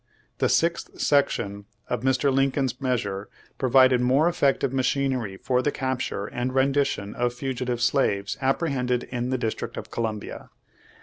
The sixth section of Mr. Lincoln's measure pro vided more effective machinery for the capture and rendition of fugitive slaves apprehended in the District of Columbia.